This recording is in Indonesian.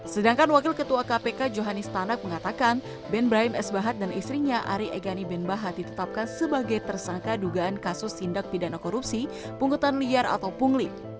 sedangkan wakil ketua kpk johanis tanak mengatakan ben brahim s bahat dan istrinya ari egani ben bahat ditetapkan sebagai tersangka dugaan kasus tindak pidana korupsi pungutan liar atau pungli